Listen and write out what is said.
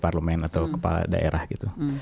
parlemen atau kepala daerah gitu